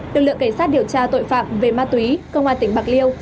lực lượng cảnh sát điều tra tội phạm về ma túy công an tỉnh bạc liêu